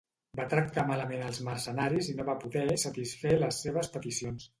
Va tractar malament els mercenaris i no va poder satisfer les seves peticions.